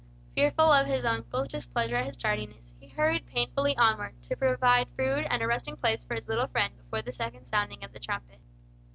Fearful of his uncle's displeasure at his tardiness, he hurried painfully onward, to provide food and a resting place for his "little friend" before the second sounding of the trumpet.